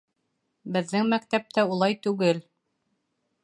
Беҙҙең мәктәптә улай түгел.